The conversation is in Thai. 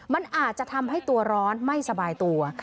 มันอาจจะทำให้ตัวร้อนไม่สบายตัว